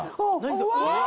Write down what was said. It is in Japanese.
うわ！